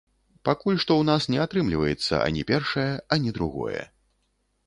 Пакуль што ў нас не атрымліваецца ані першае, ані другое.